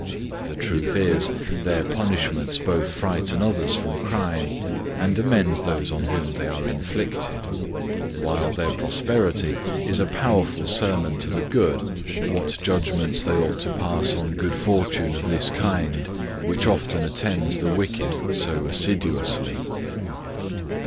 The truth is, their punishments both frighten others from crime, and amend those on whom they are inflicted; while their prosperity is a powerful sermon to the good, what judgments they ought to pass on good fortune of this kind, which often attends the wicked so assiduously.